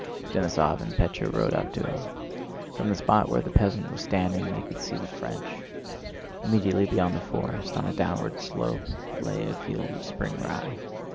Denísov and Pétya rode up to him. From the spot where the peasant was standing they could see the French. Immediately beyond the forest, on a downward slope, lay a field of spring rye.